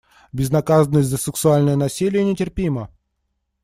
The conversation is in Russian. Безнаказанность за сексуальное насилие нетерпима.